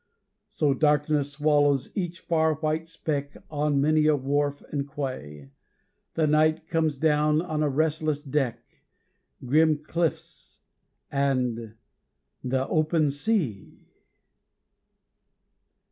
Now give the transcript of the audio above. So darkness swallows each far white speck On many a wharf and quay. The night comes down on a restless deck, Grim cliffs and The Open Sea!